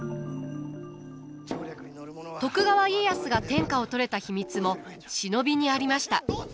徳川家康が天下を取れた秘密も忍びにありました。